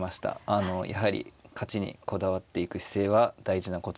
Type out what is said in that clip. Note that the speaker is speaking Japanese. あのやはり勝ちにこだわっていく姿勢は大事なことだと思います。